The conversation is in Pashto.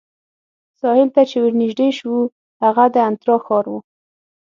ساحل ته چې ورنژدې شوو، هغه د انترا ښار وو.